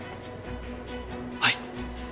はい。